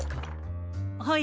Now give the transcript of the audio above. はい。